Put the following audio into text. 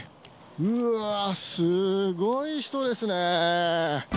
うわー、すごい人ですね。